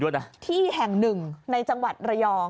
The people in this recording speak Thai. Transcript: แฮชแท็กแล้วก็ต้องบอกว่าที่แห่งหนึ่งในจังหวัดระยอง